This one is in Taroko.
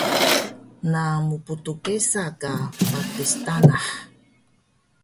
Na mptgesa ka patis tanah